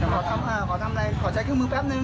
ขอพี่ว่าขอทำอะไรขอใช้เครื่องมือแป๊บนึงอ๋อ